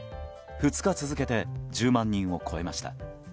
２日続けて１０万人を超えました。